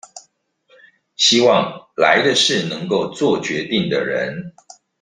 希望來的是能夠作決定的人